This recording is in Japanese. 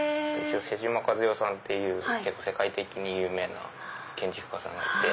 妹島和世さんっていう世界的に有名な建築家さんがいて。